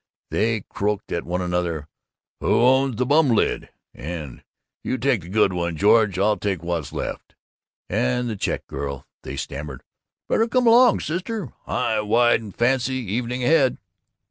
They croaked at one another, "Who owns the bum lid?" and "You take a good one, George; I'll take what's left," and to the check girl they stammered, "Better come along, sister! High, wide, and fancy evening ahead!"